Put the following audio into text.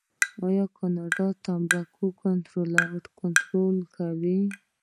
کاناډا د تمباکو کنټرول کوي.